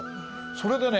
それでね